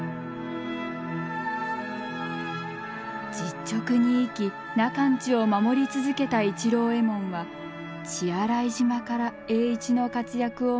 実直に生き中の家を守り続けた市郎右衛門は血洗島から栄一の活躍を見守り続けました。